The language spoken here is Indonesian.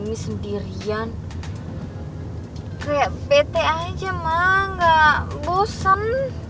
ini cuma gak bosan